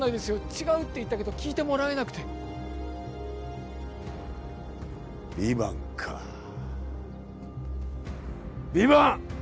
違うって言ったけど聞いてもらえなくてヴィヴァンかヴィヴァン！